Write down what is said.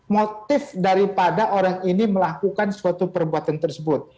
motif daripada orang ini melakukan suatu perbuatan tersebut